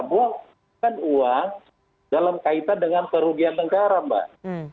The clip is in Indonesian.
uang bukan uang dalam kaitan dengan perugian negara mbak